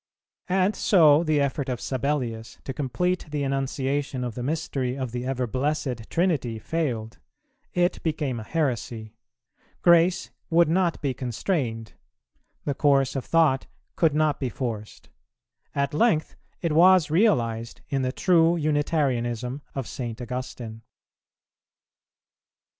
And so the effort of Sabellius to complete the enunciation of the mystery of the Ever blessed Trinity failed: it became a heresy; grace would not be constrained; the course of thought could not be forced; at length it was realized in the true Unitarianism of St. Augustine.